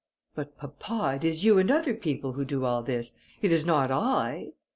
"But, papa, it is you and other people who do all this; it is not I."